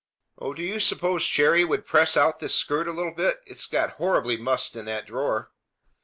Oh, do you suppose Cherry would press out this skirt a little bit? It's got horribly mussed in that drawer."